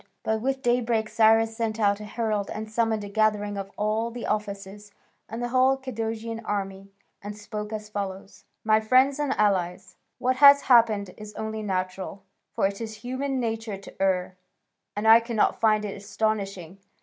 But with daybreak Cyrus sent out a herald and summoned a gathering of all the officers and the whole Cadousian army, and spoke as follows: "My friends and allies, what has happened is only natural; for it is human nature to err, and I cannot find it astonishing.